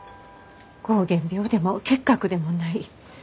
膠原病でも結核でもない。